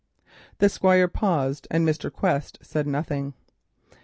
The Squire paused and Mr. Quest said nothing.